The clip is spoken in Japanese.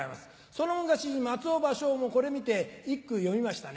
その昔に松尾芭蕉もこれ見て一句詠みましたね。